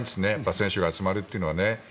選手が集まるというのは。